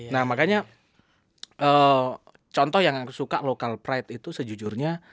nah makanya contoh yang aku suka local pride itu sejujurnya